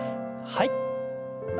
はい。